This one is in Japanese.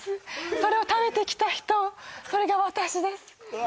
それを食べてきた人それが私ですうわ